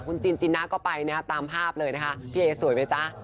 คุณจินจินนะก็ไปเนี่ยตามภาพเลยนะคะพี่เอ๋สวยไหมจ๊ะ